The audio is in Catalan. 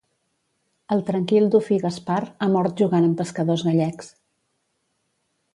El tranquil dofí Gaspar ha mort jugant amb pescadors gallecs.